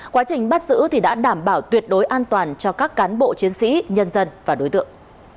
quá trình bắt giữ thì đã đảm bảo tuyệt đối an toàn cho các cán bộ chiến sĩ nhân dân và đối tượng